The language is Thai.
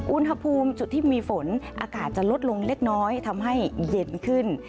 อุณหภูมิจุดที่มีฝนอากาศจะลดลงเล็กน้อยทำให้เย็นขึ้น